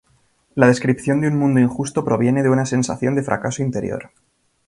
La descripción de un mundo injusto proviene de una sensación de fracaso interior.